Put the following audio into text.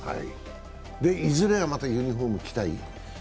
いずれはまたユニフォーム着たい？